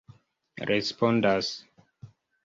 respondas